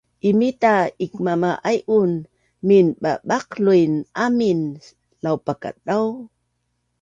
Imita ikmama’aiun minbabaqluin amin laupakadau